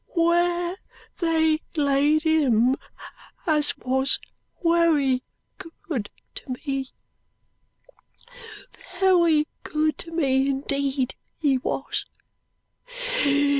"Where they laid him as wos wery good to me, wery good to me indeed, he wos.